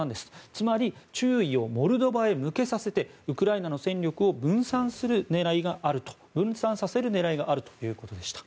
つまり注意をモルドバへ向けさせてウクライナの戦力を分散させる狙いがあるということでした。